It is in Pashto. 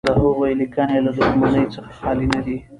د هغوی لیکنې له دښمنۍ څخه خالي نه دي.